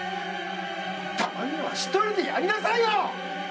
たまには１人でやりなさいよ！